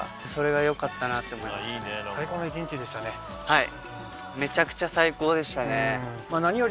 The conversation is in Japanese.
はい！